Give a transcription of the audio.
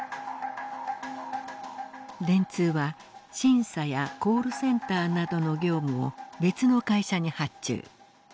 電通は審査やコールセンターなどの業務を別の会社に発注。